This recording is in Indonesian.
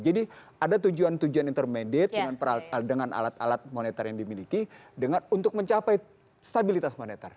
jadi ada tujuan tujuan intermediate dengan alat alat monitor yang dimiliki untuk mencapai stabilitas monitor